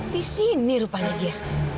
di sini rupanya dia